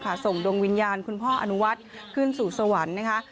ส่งดวงวิญญาณคุณพ่ออนุวัฒน์ขึ้นสู่สวรรค์นะคะ